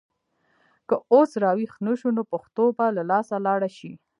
که اوس راویښ نه شو نو پښتو به له لاسه لاړه شي.